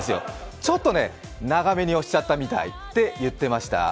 ちょっと、眺めに押しちゃったみたいって言ってました。